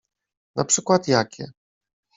Na przykład jakie?